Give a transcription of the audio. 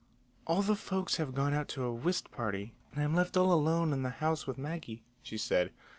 "All the folks have gone out to a whist party, and I'm left all alone in the house with Maggie," she said.